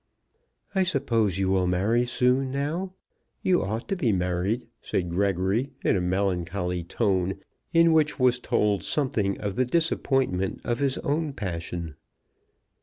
"I suppose you will marry soon now. You ought to be married," said Gregory, in a melancholy tone, in which was told something of the disappointment of his own passion.